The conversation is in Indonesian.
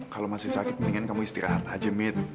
kalau masih sakit mendingan kamu istirahat aja mid